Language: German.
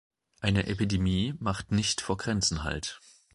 Eine Epidemie macht nicht vor Grenzen halt.